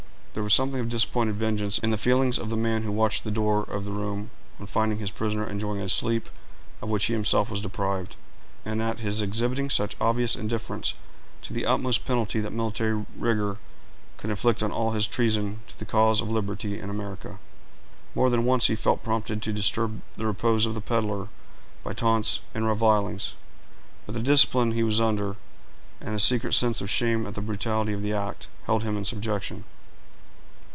There was something of disappointed vengeance in the feelings of the man who watched the door of the room on finding his prisoner enjoying a sleep of which he himself was deprived, and at his exhibiting such obvious indifference to the utmost penalty that military rigor could inflict on all his treason to the cause of liberty and America. More than once he felt prompted to disturb the repose of the peddler by taunts and revilings; but the discipline he was under, and a secret sense of shame at the brutality of the act, held him in subjection.